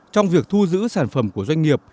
trong việc thu giữ sản phẩm của doanh nghiệp